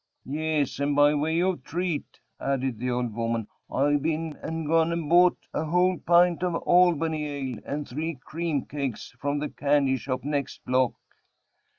"Yes, and by way of treat," added the old woman, "I've been and gone and bought a whole pint of Albany ale, and three cream cakes, from the candy shop next block."